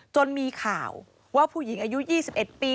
จนมีข่าวว่าผู้หญิงอายุ๒๑ปี